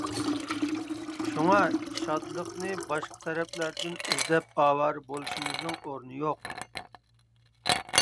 شۇڭا، شادلىقنى باشقا تەرەپلەردىن ئىزدەپ ئاۋارە بولۇشىمىزنىڭ ئورنى يوق.